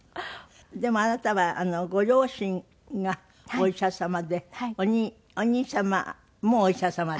でもあなたはご両親がお医者様でお兄様もお医者様で。